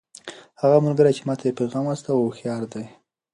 هغه ملګری چې ما ته یې پیغام واستاوه هوښیار دی.